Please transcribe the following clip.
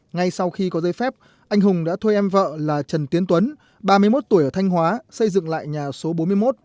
ngay sau khi có giấy phép anh hùng đã thuê em vợ là trần tiến tuấn ba mươi một tuổi ở thanh hóa xây dựng lại nhà số bốn mươi một